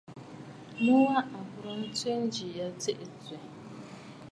Mu wa à bùrə nswìʼi njiʼì ya tsiʼì swìʼì!